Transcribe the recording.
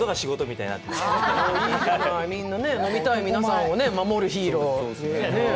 いいじゃない、飲みたい皆さんを守るヒーロー。